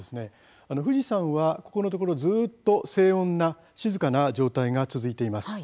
富士山はここのところずっと静穏な静かな状態が続いています。